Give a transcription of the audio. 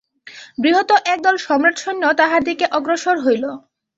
বৃহৎ একদল সম্রাটসৈন্য তাঁহার দিকে অগ্রসর হইল।